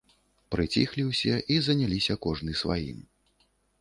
Прыціхлі ўсе і заняліся кожны сваім.